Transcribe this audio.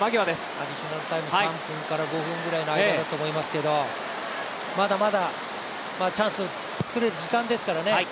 アディショナルタイム、３分から５分ぐらいの間だと思いますけどまだまだチャンスを作れる時間ですからね。